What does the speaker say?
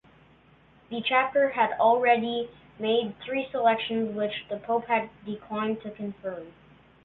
The chapter had already made three selections which the pope had declined to confirm.